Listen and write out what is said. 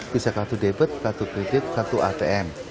bisa kartu debit kartu kredit kartu atm